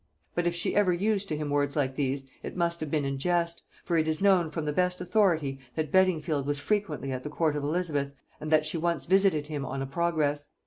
But if she ever used to him words like these, it must have been in jest; for it is known from the best authority, that Beddingfield was frequently at the court of Elizabeth, and that she once visited him on a progress.